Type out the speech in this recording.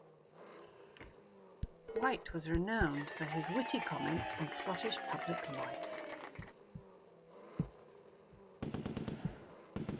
Whyte was renowned for his witty comments on Scottish public life.